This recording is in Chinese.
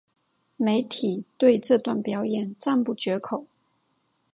媒体对这段表演赞不绝口。